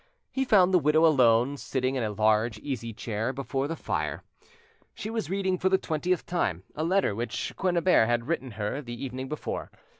He found the widow alone, sitting in a large easy chair before the fire. She was reading for the twentieth time a letter which Quenriebert had written her the evening before.